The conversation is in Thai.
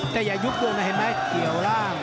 แต่อย่ายุบด้วยนะเห็นไหมเกี่ยวร่าง